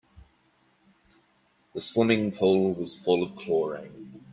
The swimming pool was full of chlorine.